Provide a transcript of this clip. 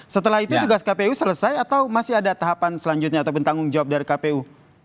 setelah itu tugas kpu selesai atau masih ada tahapan selanjutnya ataupun tanggung jawab dari kpu